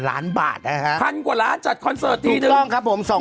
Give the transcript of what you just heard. ล้านบาทนะฮะพันกว่าล้านจัดคอนเสิร์ตทีหนึ่งถูกต้องครับผม